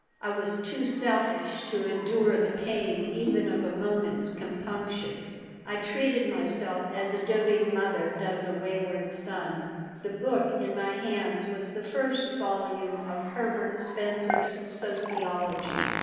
I was too selfish to endure the pain even of a moment's compunction. I treated myself as a doting mother does a wayward son The book in my hands was the first volume of Herbert Spencer's Sociology.